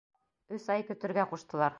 Өс ай көтөргә ҡуштылар.